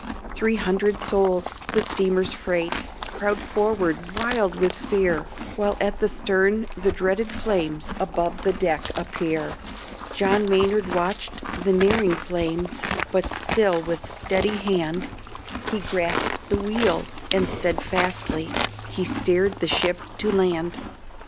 Three hundred souls, the steamer's freight, Crowd forward wild with fear, While at the stern the dreaded flames Above the deck appear. John Maynard watched the nearing flames, But still with steady hand He grasped the wheel, and steadfastly He steered the ship to land.